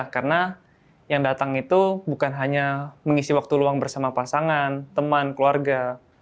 karena yang datang itu bukan hanya mengisi waktu luang bersama pasangan teman keluarga